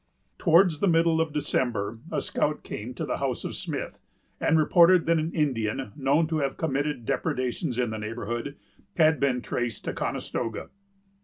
Towards the middle of December, a scout came to the house of Smith, and reported that an Indian, known to have committed depredations in the neighborhood, had been traced to Conestoga.